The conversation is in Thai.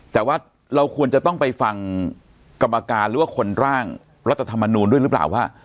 แต่ว่าเราควรจะต้องไปฟังกรรมการหรือว่าคนร่างรัฐธรรมนูลด้วยหรือเปล่าว่า